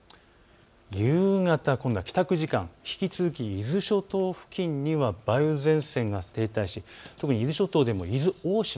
夕方、帰宅時間、引き続き伊豆諸島付近には梅雨前線が停滞し特に伊豆諸島でも伊豆大島